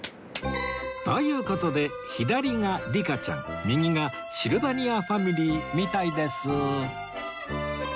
という事で左がリカちゃん右がシルバニアファミリーみたいです